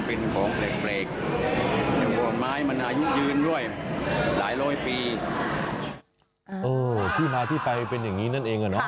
เออที่มาที่ไปเป็นอย่างนี้นั่นเองน่ะ